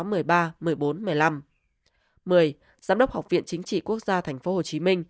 một mươi giám đốc học viện chính trị quốc gia tp hcm